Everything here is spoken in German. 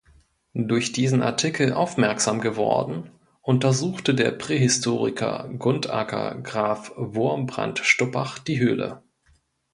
Durch diesen Artikel aufmerksam geworden, untersuchte der Prähistoriker Gundaker Graf Wurmbrand-Stuppach die Höhle.